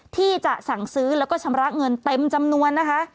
ที่จะสั่งซื้อแล้วก็ชำระเงินเต็มจำนวนนะคะ